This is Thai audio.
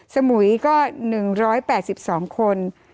สมุยก็๑๘๒คน